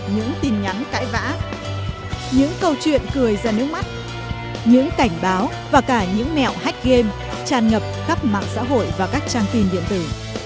những tin nhắn cãi vã những câu chuyện cười ra nước mắt những cảnh báo và cả những mẹo hách game tràn ngập khắp mạng xã hội và các trang tin điện tử